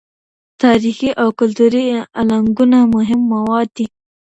تاریخي او کلتوري الانګونه مهم مواد دي.